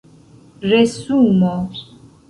resumo